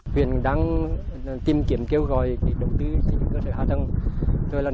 huyện đang tìm kiểm kêu gọi để đầu tư xây dựng cơ thể hạ thân